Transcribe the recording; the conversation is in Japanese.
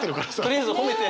とりあえず褒めて。